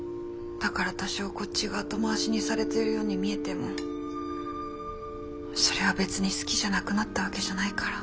だから多少こっちが後回しにされてるように見えてもそれは別に好きじゃなくなったわけじゃないから。